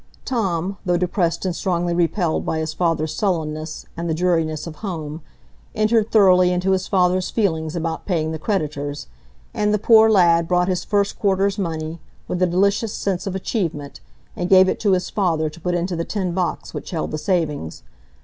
Tom, though depressed and strongly repelled by his father's sullenness, and the dreariness of home, entered thoroughly into his father's feelings about paying the creditors; and the poor lad brought his first quarter's money, with a delicious sense of achievement, and gave it to his father to put into the tin box which held the savings.